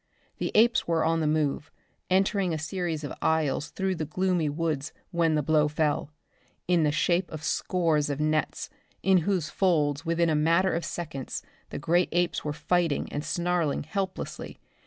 The apes were on the move, entering a series of aisles through the gloomy woods when the blow fell in the shape of scores of nets, in whose folds within a matter of seconds the great apes were fighting and snarling helplessly.